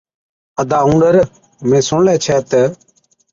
ادا اُونڏر مين سُڻلَي ڇَي تہ،